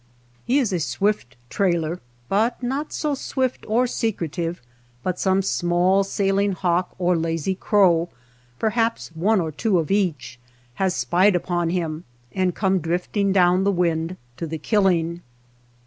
He is a swift trailer, 151 i/U i THE MESA TRAIL but not SO swift or secretive but some small sailing hawk or lazy crow, perhaps one or two of each, has spied upon him and come drifting down the wind to the killing.